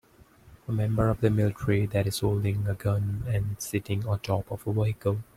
A member of the military that is holding a gun and sitting on top of a vehicle.